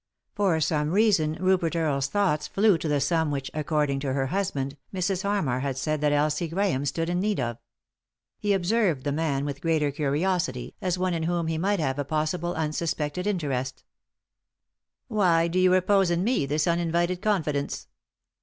For some reason Rupert Earle's thoughts flew to the sum which, according to her husband, Mrs. Harmar had said that Elsie Grahams stood in need of He observed the man with greater curiosity, as one in whom he might have a possible unsuspected interest "Why do you repose in me this uninvited con fidence